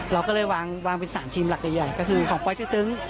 เราก็เลยวางเป็น๓ทีมหลักใหญ่ก็คือของปลอยตื้อตึ้ง